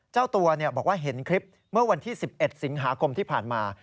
เจ้าตัวบอกว่าเห็นคลิปเมื่อวันที่๑๑สิงหาคมที่ผ่านมา